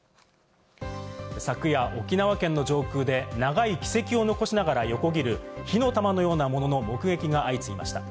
昨夜、沖縄県の上空で長い軌跡を残しながら横切る火の玉のようなものの目撃が相次ぎました。